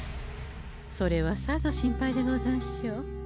それはさぞ心配でござんしょう。